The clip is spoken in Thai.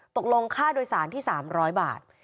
ตกลงค่าโดยสารที่๓๐๐บาท